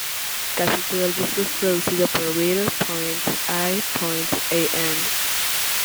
Casi todo el disco es producido por will.i.am.